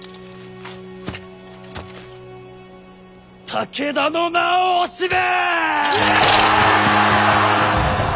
武田の名を惜しめ！